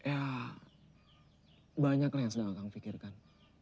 ya banyak lah yang sedang akang pikirkan